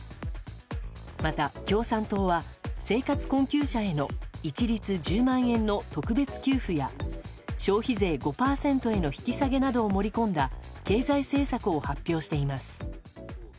また、共産党は生活困窮者への一律１０万円の特別給付や消費税５％への引き下げなどを盛り込んだ経済政策を発表しています。